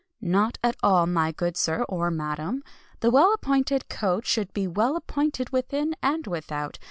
Not at all, my good sir, or madam. The well appointed coach should be well appointed within and without.